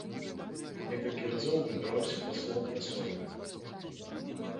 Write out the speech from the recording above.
Некалькі разоў выбіраўся паслом на соймы.